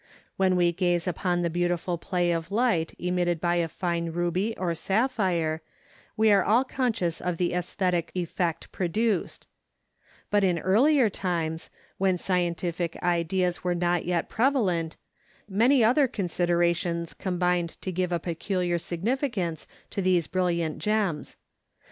When we gaze upon the beautiful play of light emitted by a fine ruby or sapphire, we are all conscious of the æsthetic effect produced; but in earlier times, when scientific ideas were not yet prevalent, many other considerations combined to give a peculiar significance to these brilliant gems.